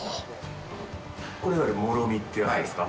これが、もろみってやつですか。